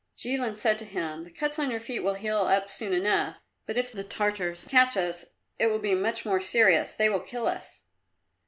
Jilin said to him, "The cuts on your feet will heal up soon enough, but if the Tartars catch us it will be much more serious; they will kill us."